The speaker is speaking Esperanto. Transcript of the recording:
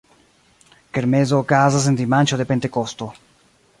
Kermeso okazas en dimanĉo de Pentekosto.